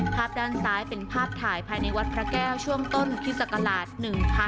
ภาพด้านซ้ายเป็นภาพถ่ายภายในวัดพระแก้วช่วงต้นคริสต์ราช๑๕